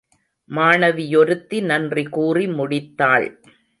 மாணவியொருத்தி நன்றி கூறி முடித்தாள்.